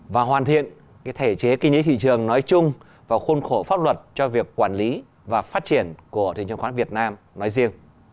và hoàn thiện thể chế kinh tế thị trường nói chung và khuôn khổ pháp luật cho việc quản lý và phát triển của thị trường chứng khoán việt nam nói riêng